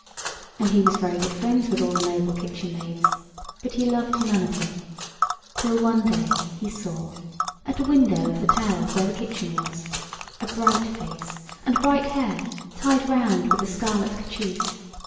And he was very good friends with all the noble kitchen maids, but he loved none of them, till one day he saw, at a window of the tower where the kitchen was, a bright face and bright hair tied round with a scarlet kerchief.